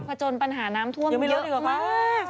ผจญปัญหาน้ำท่วมเยอะยังมีเรื่องอีกหรือเปล่า